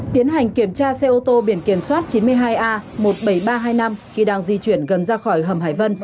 tiến hành kiểm tra xe ô tô biển kiểm soát chín mươi hai a một mươi bảy nghìn ba trăm hai mươi năm khi đang di chuyển gần ra khỏi hầm hải vân